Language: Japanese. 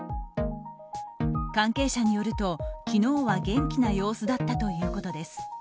関係者によると昨日は元気な様子だったということです。